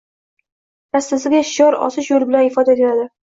rastasiga shior osish yo‘li bilan ifoda etdi?